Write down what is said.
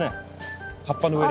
葉っぱの上に。